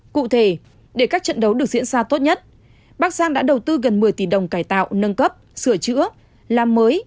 cụ thể để các trận đấu được diễn ra tốt nhất bắc giang đã đầu tư gần một mươi tỷ đồng cải tạo nâng cấp sửa chữa làm mới